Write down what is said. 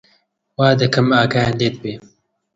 وا دەکەم ئاگایان لێت بێ